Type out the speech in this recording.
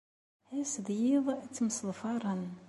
Ass d yiḍ ttemseḍfaren.